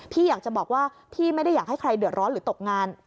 พี่อยากจะบอกว่าพี่ไม่ได้อยากให้ใครเดือดร้อนหรือตกงาน